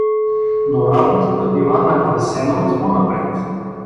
Но работата била нагласена от по-напред.